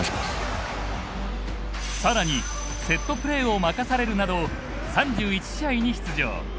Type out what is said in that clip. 更にセットプレーを任されるなど３１試合に出場。